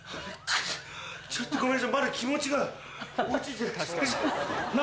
ちょっとごめんなさい、まだ気持ちが追いついてない。